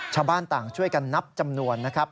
ชาวบ้านต่างช่วยกันนับจำนวนนะครับ